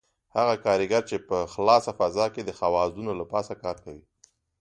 هغه کاریګر چې په خلاصه فضا کې د خوازونو له پاسه کار کوي.